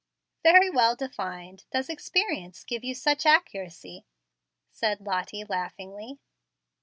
"Very well defined. Does experience give you such accuracy?" said Lottie, laughingly.